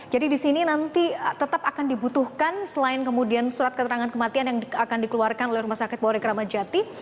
jadi di sini nanti tetap akan dibutuhkan selain kemudian surat keterangan kematian yang akan dikeluarkan oleh rumah sakit borek ramadjati